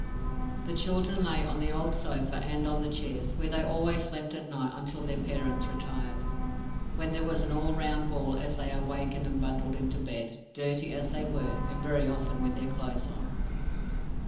The children lay on the old sofa and on the chairs, where they always slept at night until their parents retired, when there was an all round bawl as they were wakened and bundled into bed, dirty as they were, and very often with their clothes on.